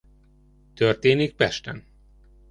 Történik Pesten.